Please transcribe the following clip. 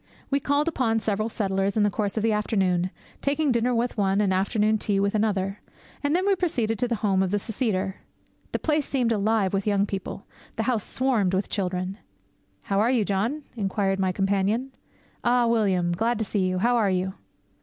We called upon several settlers in the course of the afternoon, taking dinner with one, and afternoon tea with another. And then we proceeded to the home of the seceder. The place seemed alive with young people. The house swarmed with children. 'How are you, John?' inquired my companion. 'Ah, William, glad to see you; how are you?'